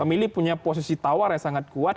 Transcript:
pemilih punya posisi tawar yang sangat kuat